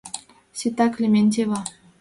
Сита, Клементьева.